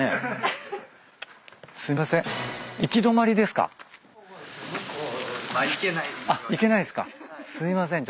すいません。